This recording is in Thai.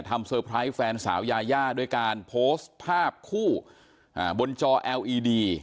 เซอร์ไพรส์แฟนสาวยายาด้วยการโพสต์ภาพคู่บนจอเอลอีดี